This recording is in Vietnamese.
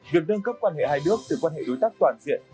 việc nâng cấp quan hệ hai nước từ quan hệ đối tác toàn diện